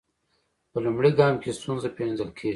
په لومړي ګام کې ستونزه پیژندل کیږي.